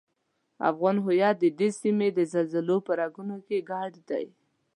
افغان هویت ددې سیمې د زلزلو په رګونو کې ګډ دی.